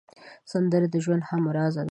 سندره د ژوند همراز ده